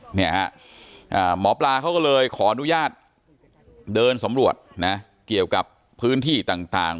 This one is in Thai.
หมอปลาเขาก็เลยขออนุญาตเดินสำรวจนะเกี่ยวกับพื้นที่ต่าง